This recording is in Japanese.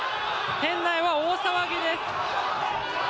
店内は大騒ぎです。